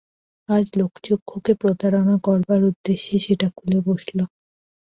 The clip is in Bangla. আজ লোকচক্ষুকে প্রতারণা করবার উদ্দেশ্যে সেটা খুলে বসল।